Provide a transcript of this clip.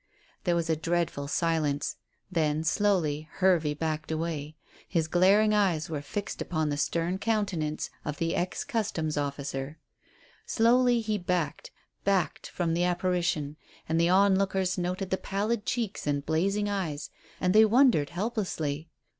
There was a dreadful silence. Then slowly Hervey backed away; his glaring eyes were fixed upon the stern countenance of the ex Customs officer. Slowly he backed, backed from the apparition; and the onlookers noted the pallid cheeks and blazing eyes, and they wondered helplessly.